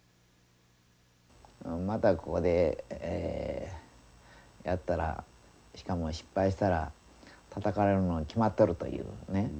またここでやったらしかも失敗したらたたかれるのは決まっとるというね。